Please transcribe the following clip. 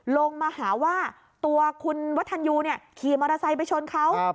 ลงมาหาว่าตัวหุณวัฒนยูนี่ขี่มอเติ้ลไซไปชนเขา